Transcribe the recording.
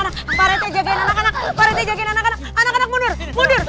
anak anak mundur mundur